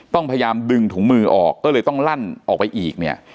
ต้องพยายามดึงถุงมือออกก็เลยต้องลั่นออกไปอีกเนี่ย